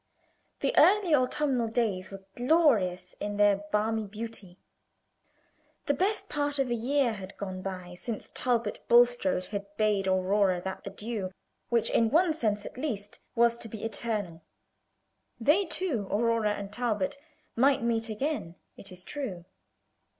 The early autumnal days were glorious in their balmy beauty. The best part of a year had gone by since Talbot Bulstrode had bade Aurora that adieu which, in one sense at least, was to be eternal. They two, Aurora and Talbot, might meet again, it is true.